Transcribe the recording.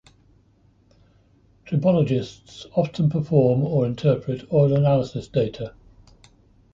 Tribologists often perform or interpret oil analysis data.